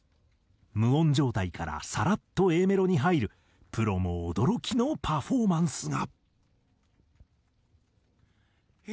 無音状態からさらっとＡメロに入るプロも驚きのパフォーマンスが。